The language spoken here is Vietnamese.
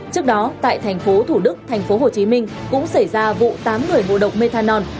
trước đó tại tp thủ đức tp hcm cũng xảy ra vụ tám người ngộ độc methanol